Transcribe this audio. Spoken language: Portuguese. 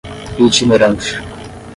itinerante